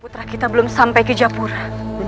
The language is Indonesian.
putra kita belum sampai ke japura